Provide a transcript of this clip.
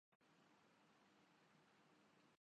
جبکہ کا اعادہ دن میں ایک بار بھی کافی ہے